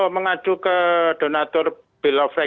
mengacu ke donator